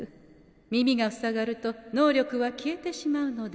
耳がふさがると能力は消えてしまうのであしからず。